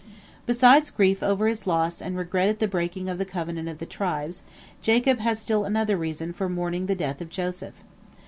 Beside grief over his loss and regret at the breaking of the covenant of the tribes, Jacob had still another reason for mourning the death of Joseph.